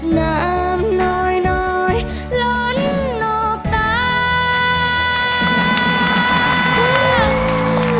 น้ำหน่อยล้นอบตา